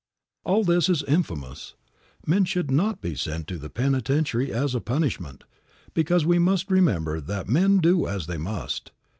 All this is infamous. Men should not be sent to the pentitentiary as a punishment, because we must remember that men do as they must.